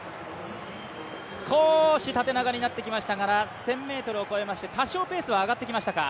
少し縦長になってきましたから、１０００ｍを越えまして多少、ペースは上がってきましたか？